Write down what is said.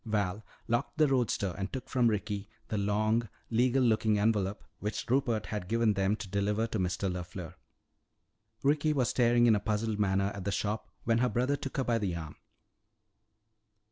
Val locked the roadster and took from Ricky the long legal looking envelope which Rupert had given them to deliver to Mr. LeFleur. Ricky was staring in a puzzled manner at the shop when her brother took her by the arm.